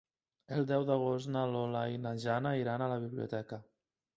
El deu d'agost na Lola i na Jana iran a la biblioteca.